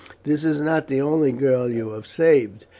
This is not the only girl you have saved.